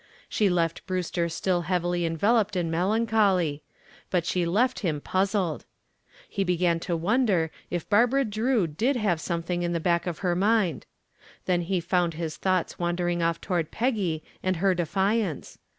She left Brewster still heavily enveloped in melancholy; but she left him puzzled. He began to wonder if Barbara Drew did have something in the back of her mind. Then he found his thoughts wandering off toward Peggy and her defiance.